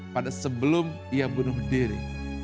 pada sebelum ia bunuh diri